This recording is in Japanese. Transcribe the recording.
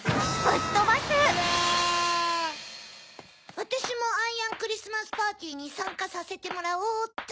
わたしもアイアンクリスマスパーティーにさんかさせてもらおうっと。